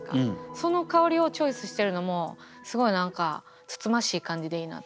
その香りをチョイスしてるのもすごい何かつつましい感じでいいなと思いました。